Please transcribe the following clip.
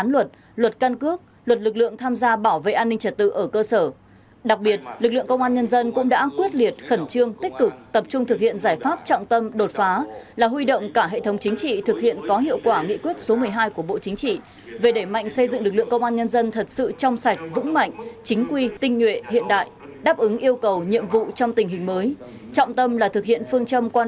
luật lực lượng tham gia bảo vệ an ninh trật tự ở cơ sở đặc biệt lực lượng công an nhân dân cũng đã quyết liệt khẩn trương tích cực tập trung thực hiện giải pháp trọng tâm đột phá là huy động cả hệ thống chính trị thực hiện có hiệu quả nghị quyết số một mươi hai của bộ chính trị về để mạnh xây dựng lực lượng công an nhân dân thật sự trong sạch vững mạnh chính quy tinh nguyện hiện đại đáp ứng yêu cầu nhiệm vụ trong tình hình mới